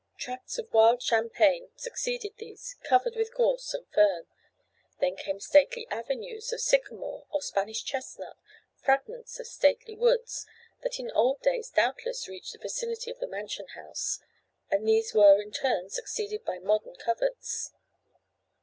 Tracts of wild champaign succeeded these, covered with gorse and fern. Then came stately avenues of sycamore or Spanish chestnut, fragments of stately woods, that in old days doubtless reached the vicinity of the mansion house; and these were in turn succeeded by modern coverts.